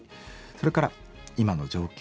それから今の状況